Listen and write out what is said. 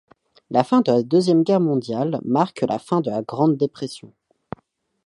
La fin de la deuxième guerre mondiale marque la fin de la grande dépression.